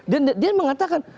dan dia mengatakan